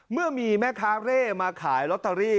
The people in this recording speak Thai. เมื่อมีแม่ค้าเร่มาขายลอตเตอรี่